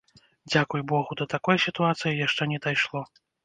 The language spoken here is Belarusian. Дзякуй богу, да такой сітуацыі яшчэ не дайшло.